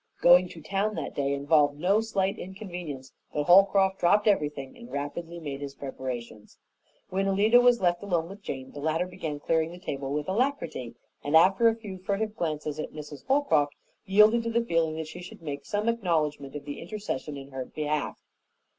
Going to town that day involved no slight inconvenience, but Holcroft dropped everything and rapidly made his preparations. When Alida was left alone with Jane, the latter began clearing the table with alacrity, and after a few furtive glances at Mrs. Holcroft, yielded to the feeling that she should make some acknowledgment of the intercession in her behalf.